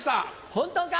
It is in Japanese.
本当か？